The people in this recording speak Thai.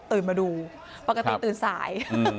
มาดูปกติตื่นสาย